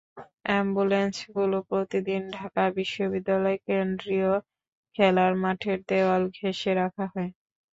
অ্যাম্বুলেন্সগুলো প্রতিদিন ঢাকা বিশ্ববিদ্যালয় কেন্দ্রীয় খেলার মাঠের দেয়াল ঘেঁষে রাখা হয়।